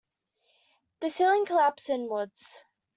The ceiling collapsed inwards.